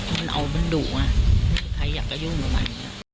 มันเอามันดุอ่ะไม่มีใครอยากจะยุ่งกับมัน